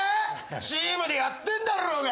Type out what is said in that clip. チームでやってんだろうが。